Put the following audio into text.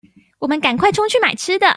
我們趕快衝去買吃的